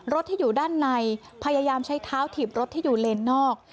ที่อยู่ด้านในพยายามใช้เท้าถีบรถที่อยู่เลนนอก